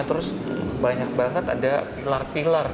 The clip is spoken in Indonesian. terus banyak banget ada pilar pilar